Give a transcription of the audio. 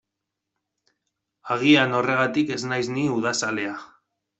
Agian horregatik ez naiz ni udazalea.